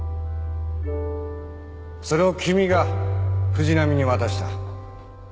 それを君が藤波に渡した。